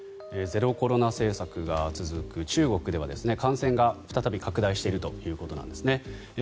ゼロコロナ政策が続く中国では感染が再び拡大しているということなんですね。